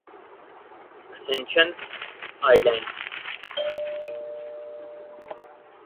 ascension island